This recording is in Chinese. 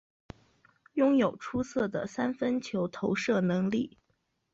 拥有出色的三分球投射能力。